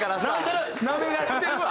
なめられてるわ。